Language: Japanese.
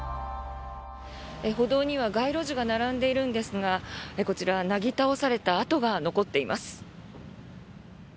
歩道には街路樹が並んでいるんですがこちら、なぎ倒された跡が残っています。